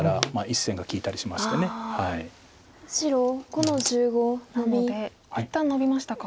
なので一旦ノビましたか。